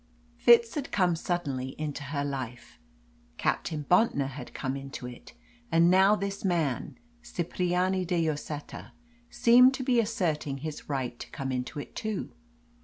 Fitz had come suddenly into her life; Captain Bontnor had come into it; and now this man, Cipriani de Lloseta, seemed to be asserting his right to come into it too.